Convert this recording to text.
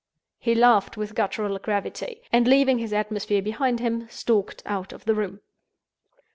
He laughed with guttural gravity; and, leaving his atmosphere behind him, stalked out of the room.